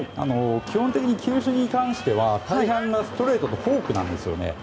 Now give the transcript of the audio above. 基本的に球種に関しては大半がストレートとフォークなんですね。